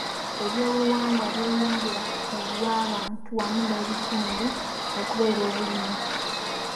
Ebyobuwangwa byeyongera ku lw'abantu wamu n'ebitundu okubeera obulungi.